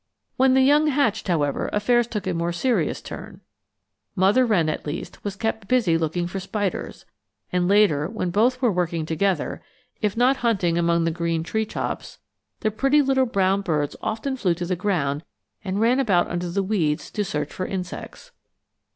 When the young hatched, however, affairs took a more serious turn. Mother wren at least was kept busy looking for spiders, and later, when both were working together, if not hunting among the green treetops, the pretty little brown birds often flew to the ground and ran about under the weeds to search for insects.